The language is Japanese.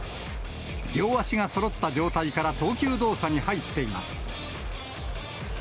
両足がそろった状態から投球動作に入っています。